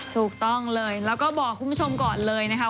ถูกต้องเลยแล้วก็บอกคุณผู้ชมก่อนเลยนะคะ